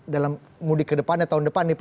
dalam mudik ke depannya tahun depan